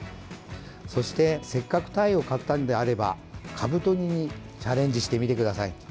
そしてせっかくタイを買ったのであればかぶと煮にチャレンジしてみてください。